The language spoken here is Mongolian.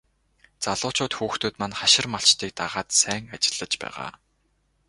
Залуучууд хүүхдүүд маань хашир малчдыг дагаад сайн ажиллаж байгаа.